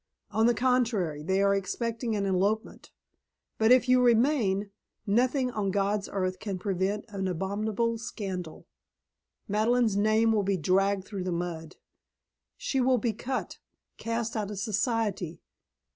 On the contrary, they are expecting an elopement. But if you remain, nothing on God's earth can prevent an abominable scandal. Madeleine's name will be dragged through the mud. She will be cut, cast out of Society.